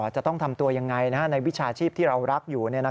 จะต้องทำตัวยังไงในวิชาชีพที่เรารักอยู่